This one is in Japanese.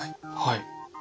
はい。